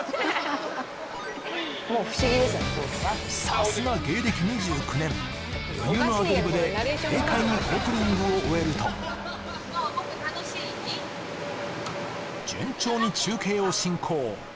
さすが芸歴２９年、余裕のアドリブで軽快にオープニングを終えると順調に中継を進行。